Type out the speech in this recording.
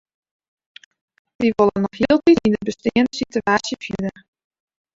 Wy wolle noch hieltyd yn de besteande sitewaasje fierder.